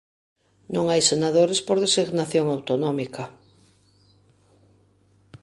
Non hai senadores por designación autonómica.